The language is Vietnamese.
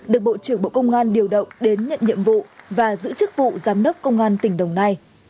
được bộ trưởng bộ công an điều động đến nhận nhiệm vụ và giữ chức vụ giám đốc công an tỉnh đồng nai